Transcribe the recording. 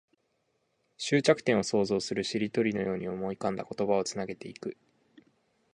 終着点を想像する。しりとりのように思い浮かんだ言葉をつなげていく。